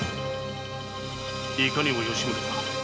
いかにも吉宗だ。